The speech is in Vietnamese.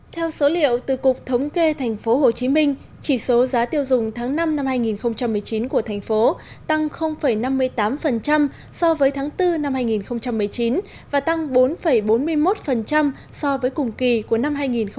theo số liệu từ cục thống kê tp hcm chỉ số giá tiêu dùng tháng năm năm hai nghìn một mươi chín của thành phố tăng năm mươi tám so với tháng bốn năm hai nghìn một mươi chín và tăng bốn bốn mươi một so với cùng kỳ của năm hai nghìn một mươi tám